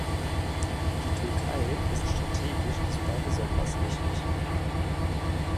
Die Türkei ist strategisch sogar besonders wichtig.